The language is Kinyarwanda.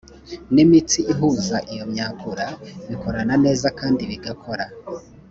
n imitsi ihuza iyo myakura bikorana neza kandi bigakora